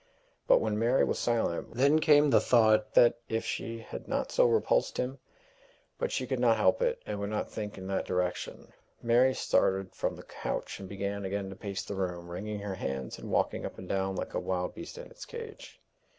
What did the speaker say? But when Mary was silent, then came the thought that, if she had not so repulsed him but she could not help it, and would not think in that direction. Mary started from the couch, and began again to pace the room, wringing her hands, and walking up and down like a wild beast in its cage.